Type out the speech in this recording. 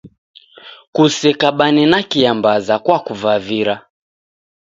Kusekabane na kiambaza, kuakuvavira